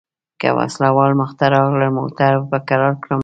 که وسله وال مخته راغلل موټر به کرار کړم.